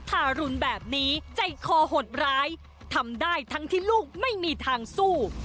ทารุณแบบนี้ใจคอหดร้ายทำได้ทั้งที่ลูกไม่มีทางสู้